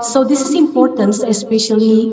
jadi ini penting terutama